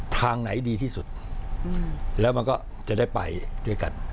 ทางไหนดีที่สุดแล้วมันก็จะได้ไปด้วยกัน